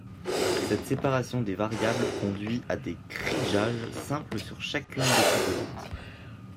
Cette séparation des variables conduit à des krigeages simples sur chacune des composantes.